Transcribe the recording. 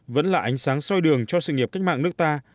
vẫn là ánh sáng soi đường cho sự nghiệp cách mạng nước ta